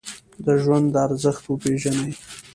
د ژوند ارزښت وپیژنئ